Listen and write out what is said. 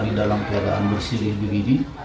di dalam keadaan bersih di bgd